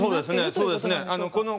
そうですね。